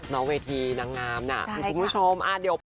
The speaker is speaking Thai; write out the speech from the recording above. เวทีนางงามน่ะคุณผู้ชม